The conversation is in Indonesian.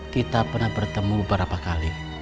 kita pernah bertemu beberapa kali